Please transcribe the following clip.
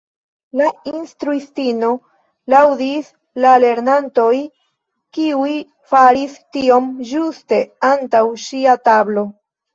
La instruistino laŭdis la lernantojn kiuj faris tiom ĝuste antaŭ ŝia tablo.